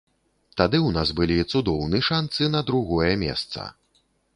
Тады ў нас былі цудоўны шанцы на другое месца.